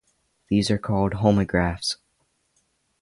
These are called homografts.